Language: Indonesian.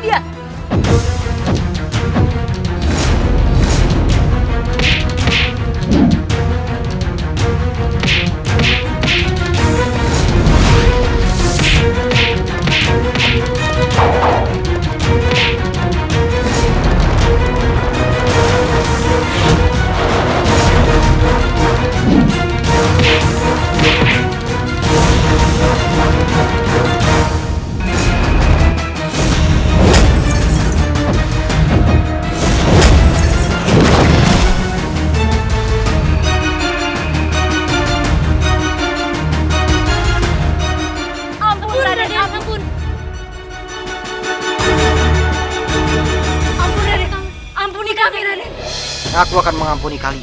dia tidak mengajak mencari mati